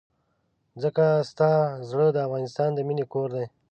ځکه ستا زړه د افغانستان د مينې کور دی.